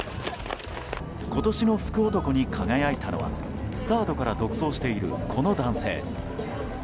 今年の福男に輝いたのはスタートから独走しているこの男性。